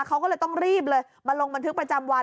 เขาก็เลยต้องรีบเลยมาลงบันทึกประจำวัน